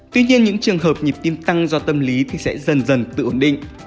tuy nhiên những trường hợp nhịp tim tăng do tâm lý thì sẽ dần dần tự ổn định